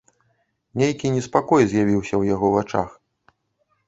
Нейкі неспакой з'явіўся ў яго вачах.